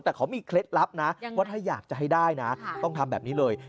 แต่เขามีเคล็ดลับนะว่าถ้าอยากจะให้ได้นะต้องทำแบบนี้เลย